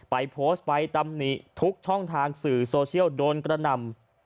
ไปโพสต์ไปตำหนิทุกช่องทางสื่อโซเชียลโดนกระหน่ำ